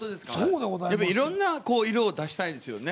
いろんな色を出したいんですよね。